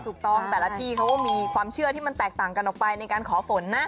ถูกต้องแต่ละที่เขาก็มีความเชื่อที่มันแตกต่างกันออกไปในการขอฝนนะ